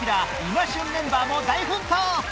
今旬メンバーも大奮闘！